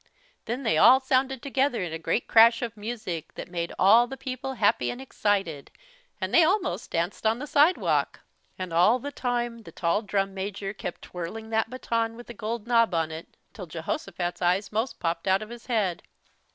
Then they all sounded together in a grand crash of music that made all the people happy and excited, and they almost danced on the sidewalk. And all the time the tall Drum Major kept twirling that baton with the gold knob on it till Jehosophat's eyes most popped out of his head.